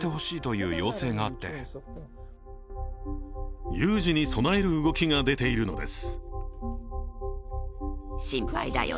更に有事に備える動きが出ているのです。